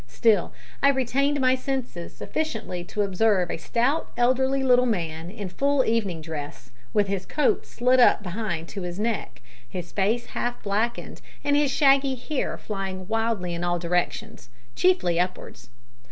Still I retained my senses sufficiently to observe a stout elderly little man in full evening dress, with his coat slit up behind to his neck, his face half blackened, and his shaggy hair flying wildly in all directions chiefly upwards.